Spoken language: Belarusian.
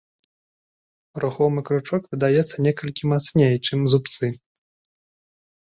Рухомы кручок выдаецца некалькі мацней, чым зубцы.